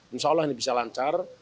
insya allah ini bisa lancar